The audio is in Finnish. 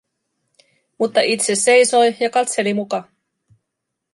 Mutta itse seisoi, ja katseli muka.